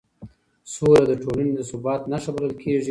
سوله د ټولنې د ثبات نښه بلل کېږي